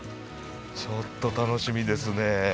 ちょっと楽しみですね。